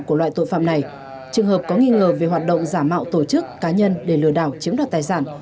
của loại tội phạm này trường hợp có nghi ngờ về hoạt động giả mạo tổ chức cá nhân để lừa đảo chiếm đoạt tài sản